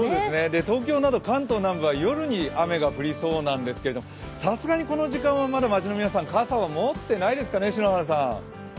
東京など関東南部は夜に雨が降りそうなんですけどさすがにこの時間はまだ街の皆さん、傘は持っていないですかね